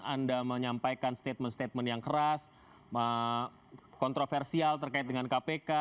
anda menyampaikan statement statement yang keras kontroversial terkait dengan kpk